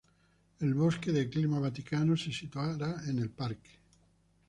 El Bosque de clima Vaticano se situará en el parque.